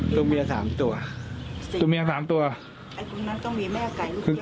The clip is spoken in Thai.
ตัวเมียสามตัวตัวเมียสามตัวตรงนั้นต้องมีแม่ไก่